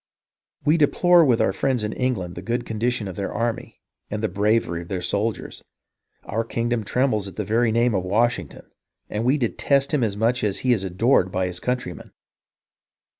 We deplore with our friends in England the good condition of their army, and the bravery of their soldiers. Our kingdom trembles at the very name of Washington, and we detest him as much as he is adored by his countrymen.